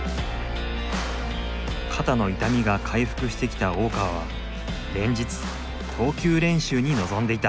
肩の痛みが回復してきた大川は連日投球練習に臨んでいた。